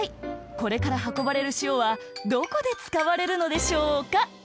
これからはこばれる塩はどこで使われるのでしょうか？